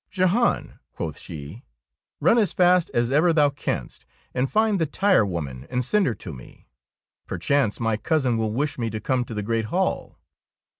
" Jehan,'' quoth she, "run as fast as ever thou canst and find the tirewoman and send her to me. Perchance my cousin will wish me to come to the great hall.